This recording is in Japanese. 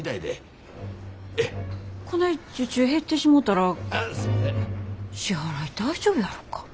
ええ。こない受注減ってしもたら支払い大丈夫やろか。